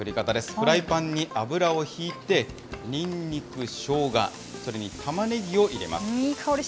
フライパンに油を敷いてにんにく、しょうが、それにたまねぎを入れます。